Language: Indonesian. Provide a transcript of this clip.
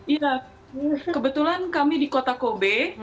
iya kebetulan kami di kota kobe